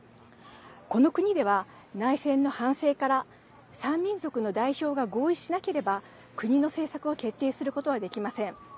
この国では、内戦の反省から３民族の代表が合意しなければ国の政策を決定することはできません。